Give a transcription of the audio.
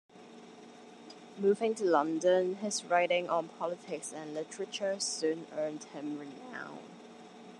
Moving to London, his writings on politics and literature soon earned him renown.